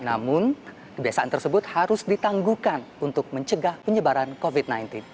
namun kebiasaan tersebut harus ditangguhkan untuk mencegah penyebaran covid sembilan belas